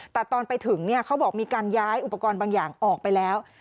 แต่ตอนไปถึงเขาบอกมีการย้ายอุปกรณ์บางอย่างออกไปแล้ว